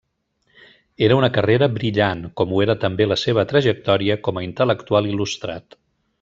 Era una carrera brillant, com ho era també la seva trajectòria com a intel·lectual il·lustrat.